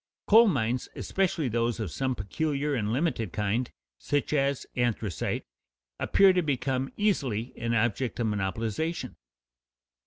Coal mines, especially those of some peculiar and limited kind, such as anthracite, appear to become easily an object of monopolization.